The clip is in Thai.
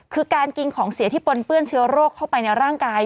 คือการกินของเสียที่ปนเปื้อนเชื้อโรคเข้าไปในร่างกาย